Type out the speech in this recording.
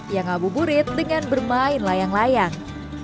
yang abu burit dengan bermain layang layang